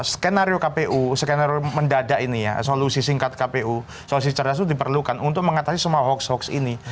skenario kpu skenario mendadak ini ya solusi singkat kpu solusi cerdas itu diperlukan untuk mengatasi semua hoax hoax ini